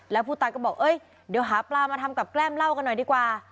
แล้วผู้ตายก็บอกเอ้ยเดี๋ยวหาปลามาทำกับแกล้มเหล้ากันหน่อยดีกว่า